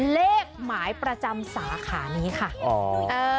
เลขหมายประจำสาขานี้ค่ะ